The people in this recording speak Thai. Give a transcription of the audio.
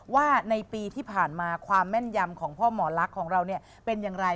ว่าในปีที่ผ่านมาความแม่นยำของพ่อหมอลักษณ์ของเราเป็นอย่างไร